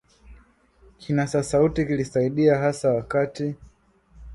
Kinasa sauti kilisaidia hasa wakati